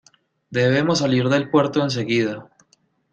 Debemos salir del puerto enseguida.